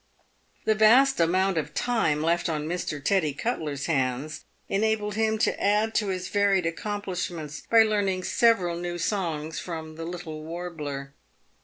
The vast amount of time left on Mr. Teddy Cutler's hands, enabled him to add to his varied accomplishments by learning several new songs from "The Little "Warbler."